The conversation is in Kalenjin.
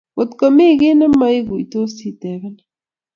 kot komi kii ne meguitosi tebena